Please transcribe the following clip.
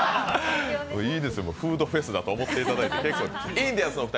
いいですよ、フードフェスだと思っていただいて結構ですよ。